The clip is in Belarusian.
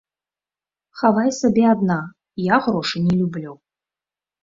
Хавай сабе адна, я грошы не люблю.